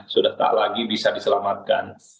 sudah tak lagi bisa diselamatkan